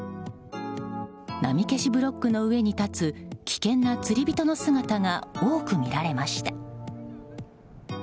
波消しブロックの上に立つ危険な釣り人の姿が多く見られました。